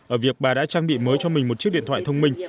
ở việc bà đã trang bị mới cho mình một chiếc điện thoại thông minh